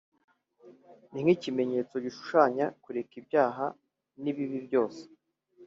ni ikimenyetso gishushanya kureka ibyaha n’ibibi byose